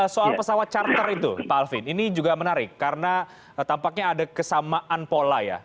soal pesawat charter itu pak alvin ini juga menarik karena tampaknya ada kesamaan pola ya